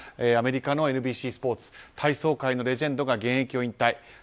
アメリカのＮＢＣスポーツ体操界のレジェンドが現役引退。